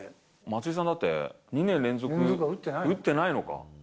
松井さんだって、２年連続は打ってないか。